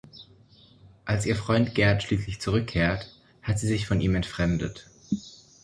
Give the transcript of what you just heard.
Als ihr Freund Gerd schließlich zurückkehrt, hat sie sich von ihm entfremdet.